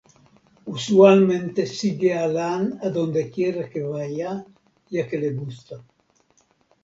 Usualmente sigue a Lan a donde quiera que vaya, ya que le gusta.